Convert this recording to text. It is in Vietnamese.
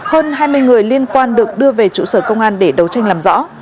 hơn hai mươi người liên quan được đưa về trụ sở công an để đấu tranh làm rõ